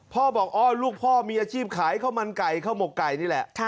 พ่อบอกอ๋อลูกพ่อมีอาชีพขายข้าวมันไก่ข้าวหมกไก่นี่แหละ